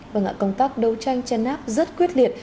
vâng ạ công tác đấu tranh chăn náp rất quyết liệt